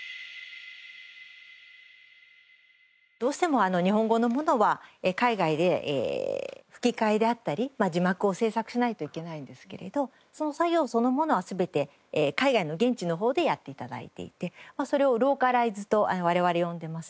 どうしても日本語のものは海外で吹き替えであったり字幕を制作しないといけないんですけれどその作業そのものは全て海外の現地のほうでやって頂いていてそれをローカライズと我々は呼んでます。